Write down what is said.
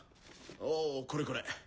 おこれこれ。